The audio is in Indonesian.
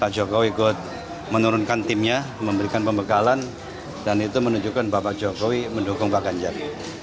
pak jokowi ikut menurunkan timnya memberikan pembekalan dan itu menunjukkan bapak jokowi mendukung pak ganjar